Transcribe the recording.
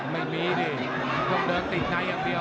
ไม่มีดิต้องเดินติดในอย่างเดียว